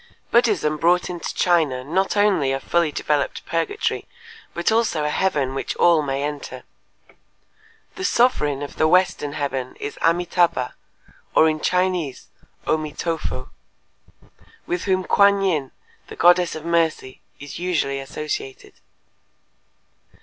_ Buddhism brought into China not only a fully developed purgatory but also a heaven which all may enter. The sovereign of the western heaven is Amitâbha (or in Chinese O mi to fo), with whom Kuan Yin, the goddess of Mercy, is usually associated.